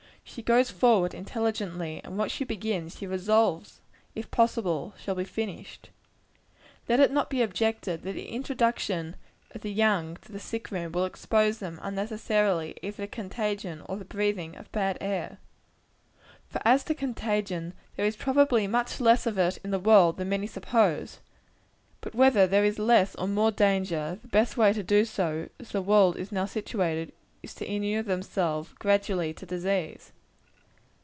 She goes forward intelligently and what she begins, she resolves, if possible, shall be finished. Let it not be objected, that the introduction of the young to the sick room will expose them, unnecessarily, either to contagion or the breathing of bad air. For as to contagion, there is probably much less of it in the world than many suppose. But whether there is less or more danger, the best way to do, as the world is now situated, is, to inure ourselves, gradually, to disease.